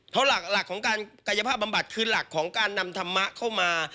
เพราะหลักของการกายภาพบำบัดคือหลักของการนำธรรมะเข้ามา